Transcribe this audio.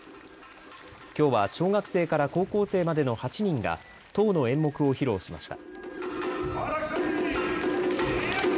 きょうは小学生から高校生までの８人が１０の演目を披露しました。